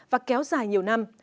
và kéo dài nhiều năm